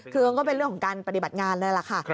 คือก็เป็นเรื่องของการปฏิบัติงานนั่นแหละค่ะ